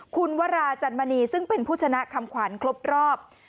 คุณวราจันมณีซึ่งเป็นผู้ชนะคำขวัญครบรอบ